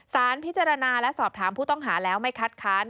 สารพิจารณาและสอบถามผู้ต้องหาแล้วไม่คัดค้าน